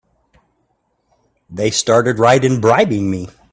They started right in bribing me!